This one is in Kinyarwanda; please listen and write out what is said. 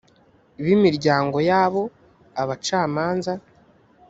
bimiryango yabo abacamanza